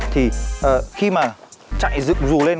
thì khi mà chạy dựng rù lên